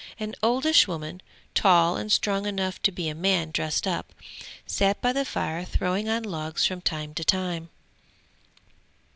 An oldish woman, tall and strong enough to be a man dressed up, sat by the fire throwing on logs from time to time.